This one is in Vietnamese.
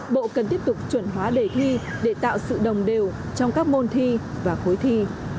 bộ cần tiếp tục chuẩn hóa đề thi để tạo sự đồng đều trong các môn thi và khối thi